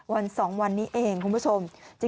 ๒วันนี้เองคุณผู้ชม